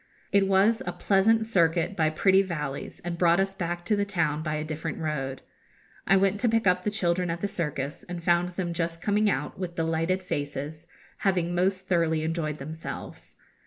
It was a pleasant circuit by pretty valleys, and brought us back to the town by a different road. I went to pick up the children at the circus, and found them just coming out, with delighted faces, having most thoroughly enjoyed themselves.